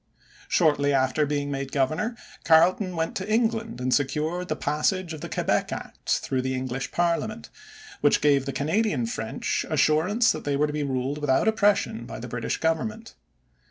Shortly after being made governor, Carleton went to England and secured the passage of the Quebec Act through the English parliament, which gave the Canadian French assurance that they were to be ruled without oppression by the British Government.